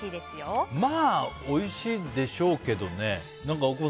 まあ、おいしいでしょうけどね。